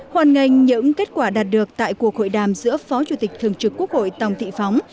hoàn ngành những kết quả đạt được tại cuộc hội đàm giữa phó chủ tịch thường trực quốc hội tòng thị phóng